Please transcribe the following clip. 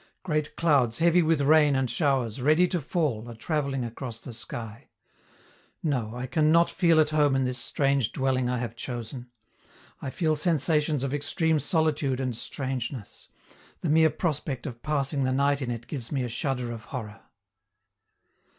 Great clouds heavy with rain and showers, ready to fall, are travelling across the sky. No, I can not feel at home in this strange dwelling I have chosen; I feel sensations of extreme solitude and strangeness; the mere prospect of passing the night in it gives me a shudder of horror.